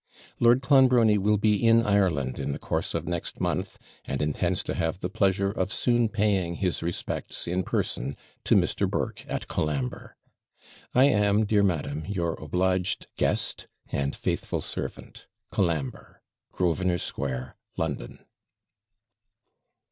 Lord Clonbrony will be in Ireland in the course of next month, and intends to have the pleasure of soon paying his respects in person to Mr. Burke, at Colambre. I am, dear madam, your obliged guest, and faithful servant, COLAMBRE. GROSVENOR SQUARE, LONDON.